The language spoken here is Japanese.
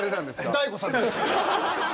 大悟さんです。